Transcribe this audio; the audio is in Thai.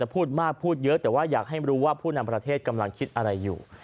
พูดมากพูดเยอะแต่ว่าอยากให้รู้ว่าผู้นำประเทศกำลังคิดอะไรอยู่